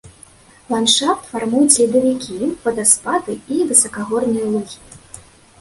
Ландшафт фармуюць ледавікі, вадаспады і высакагорныя лугі.